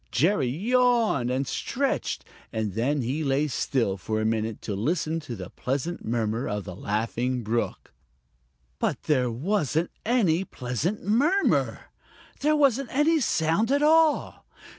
Jerry yawned and stretched, and then he lay still for a minute to listen to the pleasant murmur of the Laughing Brook. But there wasn't any pleasant murmur. There wasn't any sound at all.